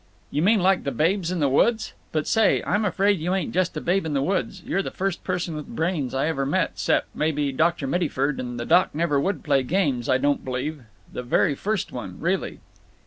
"You mean like the babes in the woods? But, say, I'm afraid you ain't just a babe in the woods! You're the first person with brains I ever met, 'cept, maybe, Dr. Mittyford; and the Doc never would play games, I don't believe. The very first one, really."